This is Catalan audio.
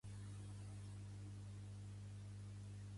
Arriben tres trens amb migrants a bord a les costes d'Eivissa